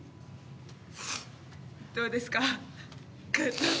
どうですか？